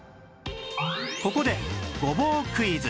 ここで